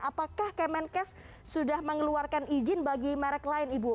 apakah kemenkes sudah mengeluarkan izin bagi merek lain ibu